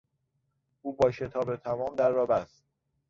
او با شتاب تمام در را بست.